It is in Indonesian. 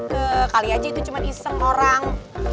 kekali aja itu cuma iseng orang